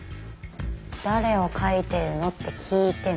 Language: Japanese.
誰を描いてるのって聞いてんの。